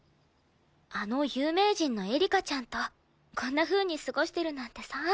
あの有名人のエリカちゃんとこんなふうに過ごしてるなんてさ。